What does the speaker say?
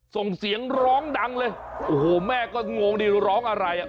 ส่งเสียงร้องดังเลยโอ้โหแม่ก็งงดิร้องอะไรอ่ะ